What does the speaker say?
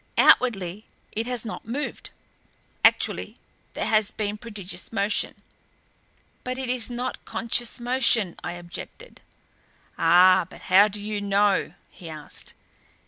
Outwardly it has not moved; actually there has been prodigious motion." "But it is not conscious motion," I objected. "Ah, but how do you know?" he asked.